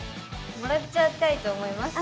もらっちゃいたいと思います。